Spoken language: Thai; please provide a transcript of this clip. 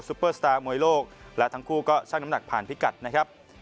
เปอร์สตาร์มวยโลกและทั้งคู่ก็ช่างน้ำหนักผ่านพิกัดนะครับ